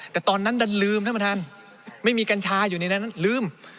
แต่ตอนนั้นดันลืมท่านประธานไม่มีกัญชาอยู่ในนั้นลืม